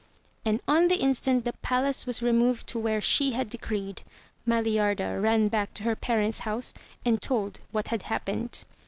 And on the instant the palace was removed to where she had decreed. Maliarda ran back to her parents' house and told what had happened.